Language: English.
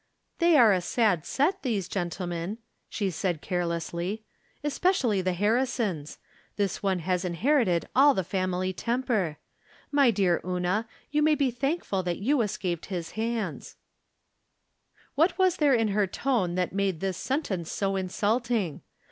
" They are a sad set, these gentlemen," she said, carelessly, " especially the Harrisons. Tliis one has inherited all the family temper. My dear Una, you may be thanlrful that you escaped his hands." From Different Standpoints. 175 What was there in her tone that made this sentence so insulting